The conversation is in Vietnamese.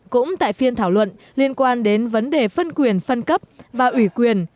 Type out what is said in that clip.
cũng tại phiên thảo luận liên quan đến vấn đề phân quyền phân cấp và ủy quyền